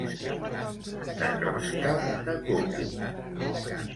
De crosta de coco.